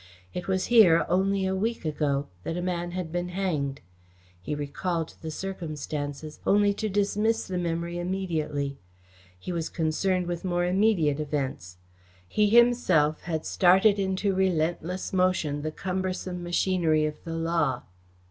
It was here, only a week ago, that a man had been hanged. He recalled the circumstances, only to dismiss the memory immediately. He was concerned with more immediate events. He himself had started into relentless motion the cumbersome machinery of the law.